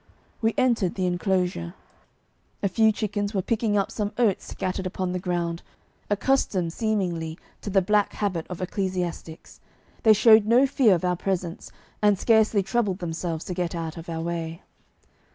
We entered the enclosure. A few chickens were picking up some oats scattered upon the ground; accustomed, seemingly, to the black habit of ecclesiastics, they showed no fear of our presence and scarcely troubled themselves to get out of our way.